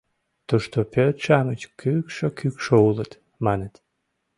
Тушто пӧрт-шамыч кӱкшӧ-кӱкшӧ улыт, маныт.